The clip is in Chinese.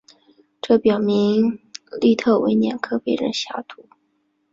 这表明利特维年科被人下毒。